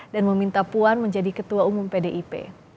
dan meminta puan menjadi ketua umum pdip